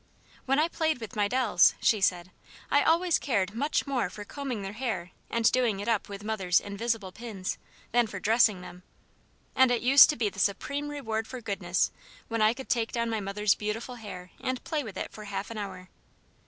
"When I played with my dolls," she said, "I always cared much more for combing their hair and doing it up with mother's 'invisible' pins, than for dressing them. And it used to be the supreme reward for goodness when I could take down my mother's beautiful hair and play with it for half an hour.